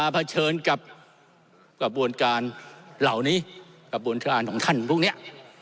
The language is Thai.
เผชิญกับกระบวนการเหล่านี้กระบวนการของท่านพวกนี้